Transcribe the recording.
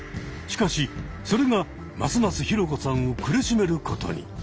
しかしそれがますますヒロコさんを苦しめることに。